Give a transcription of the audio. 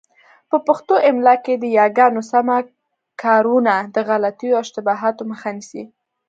په پښتو املاء کي د یاګانو سمه کارونه د غلطیو او اشتباهاتو مخه نیسي.